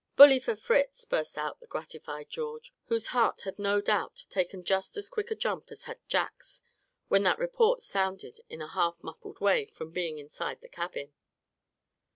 "Bully for Fritz!" burst out the gratified George, whose heart had no doubt taken just as quick a jump as had Jack's, when that report sounded in a half muffled way, from being inside the cabin.